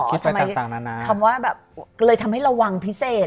คิดไปต่างนานคำว่าไม่ได้เลยทำให้ระวังพิเศษ